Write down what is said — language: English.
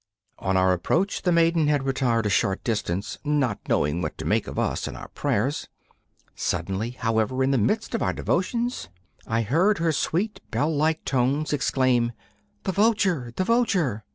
On our approach the maiden had retired a short distance, not knowing what to make of us and our prayers. Suddenly, however, in the midst of our devotions, I heard her sweet, bell like tones exclaim: 'The vulture! the vulture!